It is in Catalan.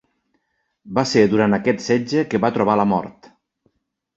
Va ser durant aquest setge que va trobar la mort.